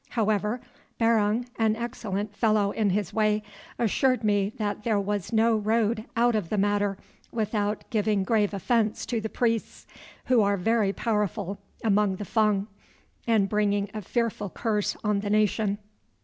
However, Barung, an excellent fellow in his way, assured me that there was no road out of the matter without giving grave offence to the priests, who are very powerful among the Fung, and bringing a fearful curse on the nation.